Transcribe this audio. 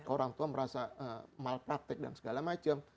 orang tua merasa malpraktek dan segala macam